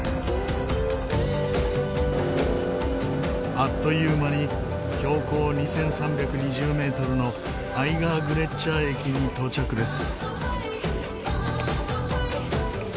あっという間に標高２３２０メートルのアイガーグレッチャー駅に到着です。